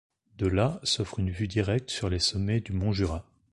De là s'offre une vue directe sur les sommets du Mont-Jura.